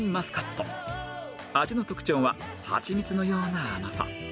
味の特徴はハチミツのような甘さ